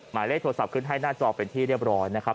หมายเลขโทรศัพท์ขึ้นให้หน้าจอเป็นที่เรียบร้อยนะครับ